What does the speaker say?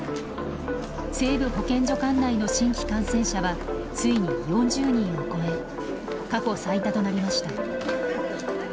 西部保健所管内の新規感染者はついに４０人を超え過去最多となりました。